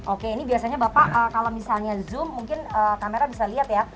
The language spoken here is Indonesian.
oke ini biasanya bapak kalau misalnya zoom mungkin kamera bisa lihat ya